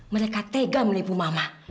mereka tega menipu mama